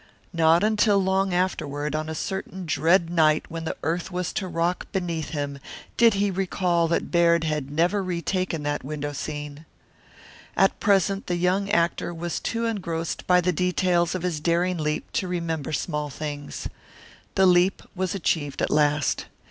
Not until long afterward, on a certain dread night when the earth was to rock beneath him, did he recall that Baird had never retaken that window scene. At present the young actor was too engrossed by the details of his daring leap to remember small things. The leap was achieved at last.